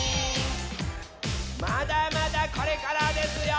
まだまだこれからですよ！